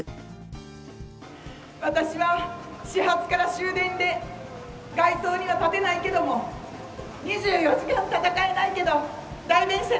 私は始発から終電で街頭には立てないけども２４時間戦えないけど代弁者になれる。